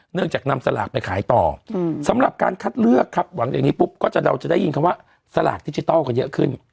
จากนำสลากไปขายต่อสำหรับการคัดเลือกครับหวังอย่างนี้ปุ๊บก็จะเดาจะได้ยินคำว่าสลากดิจิทัลกันเยอะขึ้น